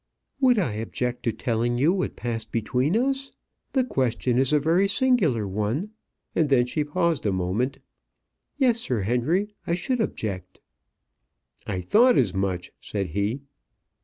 "Would I object to telling you what passed between us? The question is a very singular one;" and then she paused a moment. "Yes, Sir Henry, I should object." "I thought as much," said he.